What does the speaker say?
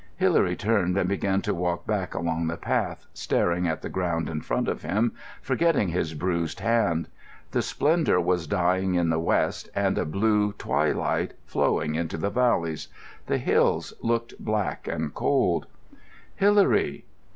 Hilary turned, and began to walk back along the path, staring at the ground in front of him, forgetting his bruised hand. The splendour was dying in the west, and a blue twilight flowing into the valleys; the hills looked black and cold. "Hilary!"